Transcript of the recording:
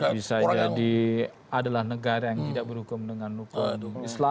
bisa jadi adalah negara yang tidak berhukum dengan hukum islam